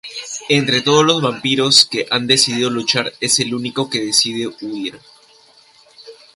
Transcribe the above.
Entre todos los vampiros que han decidido luchar, es el único que decide huir.